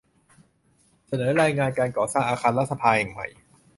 เสนอรายงานการก่อสร้างอาคารรัฐสภาแห่งใหม่